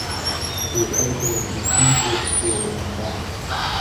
He was educated at Kingswood School, in Bath.